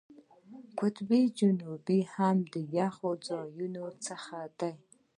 قطب جنوب هم د یخ ځایونو څخه دی.